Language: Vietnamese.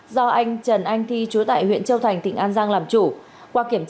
do anh trần anh thi chú tại huyện châu phi